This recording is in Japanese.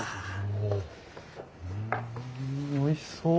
うんおいしそう。